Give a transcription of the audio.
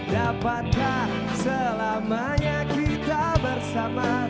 dapatkah selamanya kita bersama